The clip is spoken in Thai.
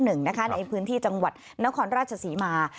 ในพื้นที่จังหวัดนครราชศรีมา